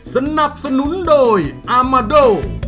สนับสนุนโดยอามาโด